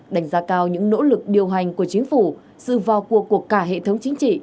đánh giá cao những nỗ lực điều hành của chính phủ sự vào cuộc của cả hệ thống chính trị